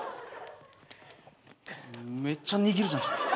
めっちゃ握るじゃん。